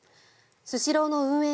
スシローの運営